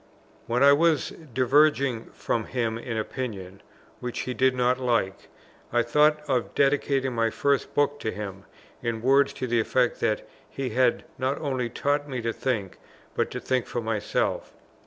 When I was diverging from him in opinion (which he did not like), I thought of dedicating my first book to him, in words to the effect that he had not only taught me to think, but to think for myself.